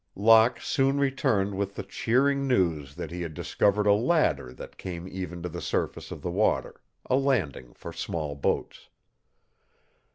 Locke soon returned with the cheering news that he had discovered a ladder that came even to the surface of the water, a landing for small boats.